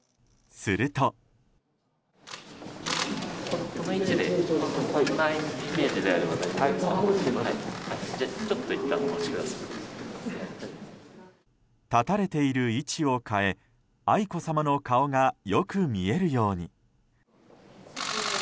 すると。立たれている位置を変え愛子さまの顔がよく見えるように。